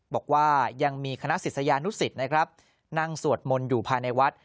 บอกว่ายังมีคณะศิษยานุสิตนะครับนั่งสวดมนต์อยู่ภายในวัด